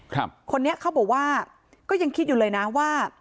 คนนี้เขาบอกว่าก็ยังคิดอยู่เลยนะว่า